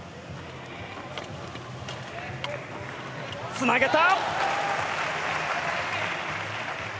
つなげた！